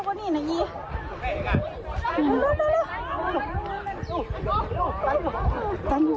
เหลืองมาแล้วรู้